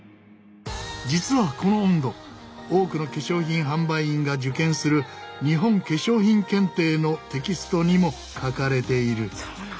実はこの温度多くの化粧品販売員が受験する日本化粧品検定のテキストにも書かれている。